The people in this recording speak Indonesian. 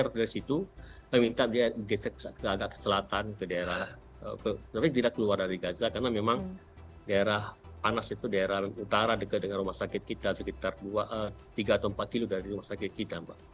harus geser dari situ meminta dia geser ke agak ke selatan ke daerah tapi tidak keluar dari gaza karena memang daerah panas itu daerah utara dekat dengan rumah sakit kita sekitar tiga atau empat km dari rumah sakit kita mbak